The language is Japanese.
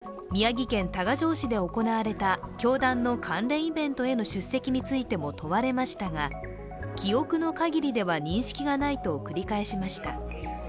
更に秋葉大臣は宮城県多賀城市で行われた教団の関連イベントへの出席についても問われましたが記憶の限りでは認識がないと繰り返しました。